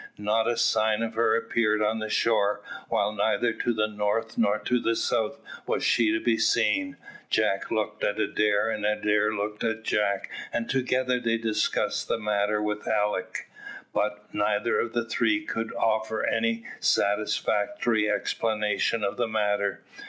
Not a sign of her appeared on the shore, while neither to the north nor to the south was she to be seen. Jack looked at Adair, and Adair looked at Jack, and together they discussed the matter with Alick, but neither of the three could offer any satisfactory explanation of the matter.